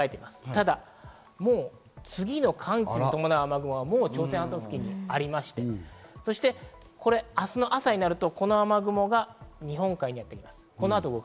ただもう次の寒気に伴う雨雲が朝鮮半島付近にありまして、そして明日の朝になると、この雨雲が日本海にやってきます。